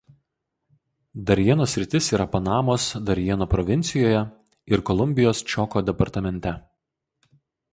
Darjeno sritis yra Panamos Darjeno provincijoje ir Kolumbijos Čioko departamente.